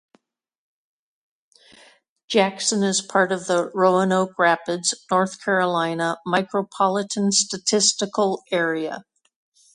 Jackson is part of the Roanoke Rapids, North Carolina Micropolitan Statistical Area.